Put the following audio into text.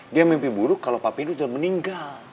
dia mimpi buruk kalau papi itu udah meninggal